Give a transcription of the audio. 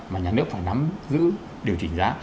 mà nhà nước phải nắm giữ điều chỉnh giá